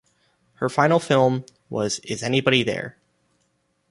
Her final film was Is Anybody There?